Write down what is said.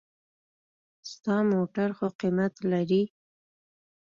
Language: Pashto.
ستا موټر خو قېمت لري.